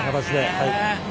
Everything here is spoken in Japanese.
はい。